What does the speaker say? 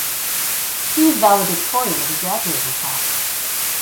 He was valedictorian of his graduating class.